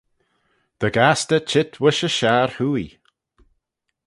Dy gastey cheet voish y shiarhwoaie.